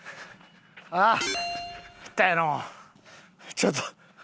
ちょっと。